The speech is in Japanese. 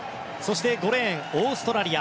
５レーン、オーストラリア。